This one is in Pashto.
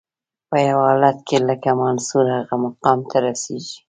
په یو حالت کې لکه منصور هغه مقام ته رسیږي.